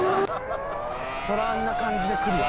そらあんな感じで来るわ。